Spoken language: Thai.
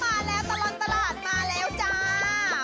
มาแล้วมาแล้วตลอดตลอดมาแล้วจ้า